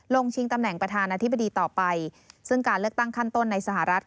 ชิงตำแหน่งประธานาธิบดีต่อไปซึ่งการเลือกตั้งขั้นต้นในสหรัฐ